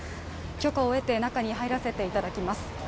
許可を得て中に入らせていただきます。